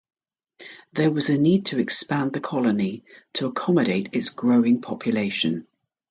There was a need to expand the colony to accommodate its growing population.